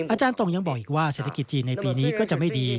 อาจารย์ตรงยังบอกอีกว่าเศรษฐกิจจีนในปีนี้ก็จะไม่ดี